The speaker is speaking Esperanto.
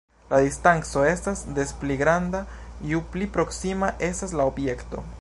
La distanco estas des pli granda ju pli proksima estas la objekto.